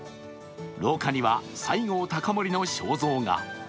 廊下には西郷隆盛の肖像画。